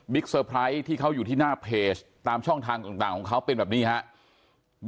เซอร์ไพรส์ที่เขาอยู่ที่หน้าเพจตามช่องทางต่างของเขาเป็นแบบนี้ครับ